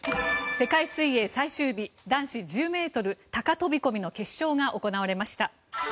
世界水泳最終日男子１０ｍ高飛込の決勝が行われました。